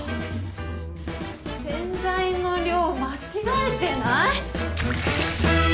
洗剤の量間違えてない？